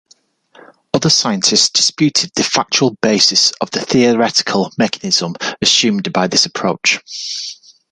Other scientists disputed the factual basis of the theoretical mechanism assumed by this approach.